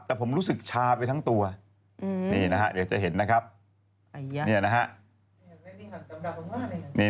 กำลิงถนนอย่างนี้เลย